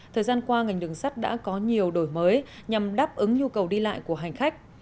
thời gian qua ngành đường sắt đã có nhiều đổi mới nhằm đáp ứng nhu cầu đi lại của hành khách